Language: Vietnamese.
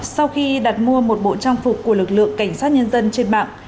sau khi đặt mua một bộ trang phục của lực lượng cảnh sát nhân dân trên mạng